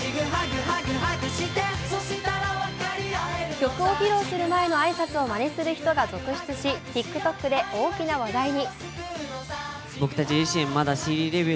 曲を披露する前の挨拶をまねする人が続出しＴｉｋＴｏｋで大きな話題に。